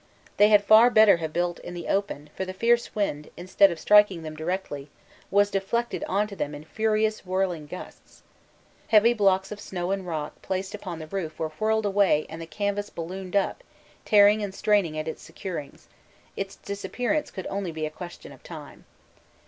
They had far better have built in the open, for the fierce wind, instead of striking them directly, was deflected on to them in furious whirling gusts. Heavy blocks of snow and rock placed on the roof were whirled away and the canvas ballooned up, tearing and straining at its securings its disappearance could only be a question of time.